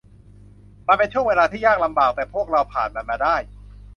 มันเป็นช่วงเวลาที่ยากลำบาก แต่พวกเราผ่านมันมาได้